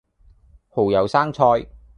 蠔油生菜